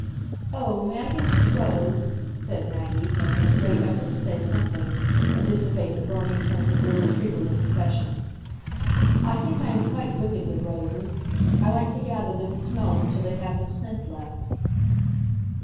"Oh, may I get this rose?" said Maggie, making a great effort to say something, and dissipate the burning sense of irretrievable confession. "I think I am quite wicked with roses; I like to gather them and smell them till they have no scent left."